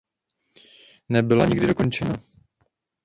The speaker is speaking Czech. Nebyla nikdy dokončena.